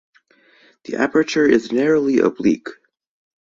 The aperture is narrowly oblique.